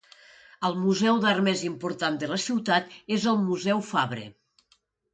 El museu d'art més important de la ciutat és el Museu Fabre.